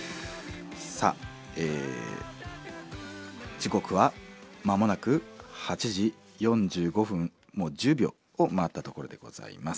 さあ時刻は間もなく８時４５分もう１０秒を回ったところでございます。